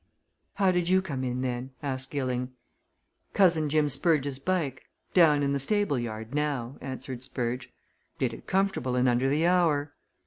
"How did you come in then?" asked Gilling. "Cousin Jim Spurge's bike down in the stable yard, now," answered Spurge. "Did it comfortable in under the hour."